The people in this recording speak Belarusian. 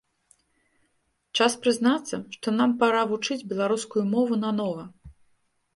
Час прызнацца, што нам пара вучыць беларускую мову нанова.